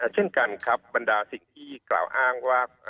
เช่นกันครับบรรดาสิ่งที่กล่าวอ้างว่า